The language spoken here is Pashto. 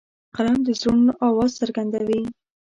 قلم د زړونو آواز څرګندوي